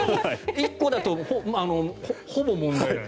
１個だとほぼ問題ない。